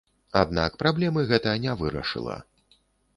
Аднак праблемы гэта не вырашыла.